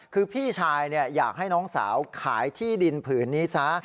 คือพี่ชายอยากให้น้องสาวขายที่ดินผืนนี้ซะ